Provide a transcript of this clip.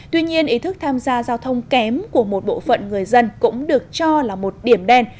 tuy nhiên ý thức tham gia giao thông kém của một bộ phận người dân cũng được cho là một điểm đen